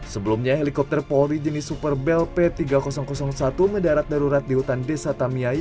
sebelumnya helikopter polri jenis super bel p tiga ribu satu mendarat darurat di hutan desa tamiyai